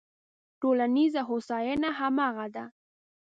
ټولنیزه هوساینه همغه ده.